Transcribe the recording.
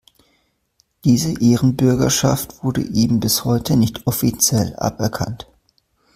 Diese Ehrenbürgerschaft wurde ihm bis heute nicht offiziell aberkannt.